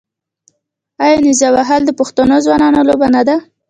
آیا نیزه وهل د پښتنو ځوانانو لوبه نه ده؟